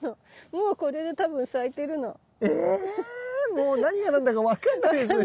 もう何が何だか分かんないですね